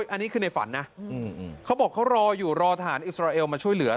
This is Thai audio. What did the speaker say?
อันนี้คือในฝันนะเขาบอกเขารออยู่รอทหารอิสราเอลมาช่วยเหลือ